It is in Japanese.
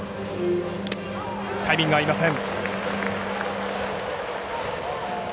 タイミングが合いません。